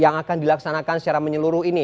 yang akan dilaksanakan secara menyeluruh ini